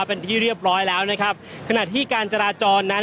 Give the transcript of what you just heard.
เป็นที่เรียบร้อยแล้วนะครับขณะที่การจราจรนั้น